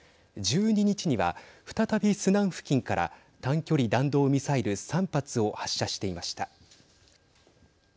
１２日には、再びスナン付近から短距離弾道ミサイル３発を発射していました。